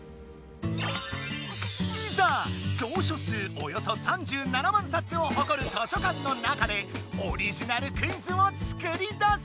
およそ３７万さつをほこる図書館の中でオリジナルクイズを作り出せ！